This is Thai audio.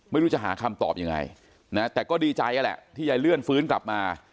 ไม่รู้จะหาคำตอบยังไงนะแต่ก็ดีใจนั่นแหละที่ยายเลื่อนฟื้นกลับมา